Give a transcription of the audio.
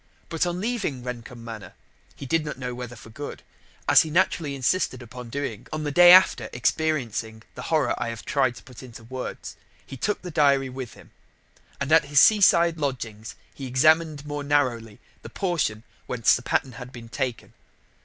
But, on leaving Rendcomb Manor (he did not know whether for good), as he naturally insisted upon doing on the day after experiencing the horror I have tried to put into words, he took the diary with him. And at his seaside lodgings he examined more narrowly the portion whence the pattern had been taken.